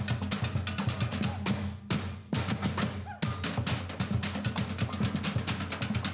itu ada banyak lagi